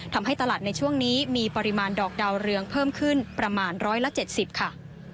ทำให้ตลาดในช่วงนี้มีปริมาณดอกดาวเรืองเพิ่มขึ้นประมาณ๑๗๐ค่ะ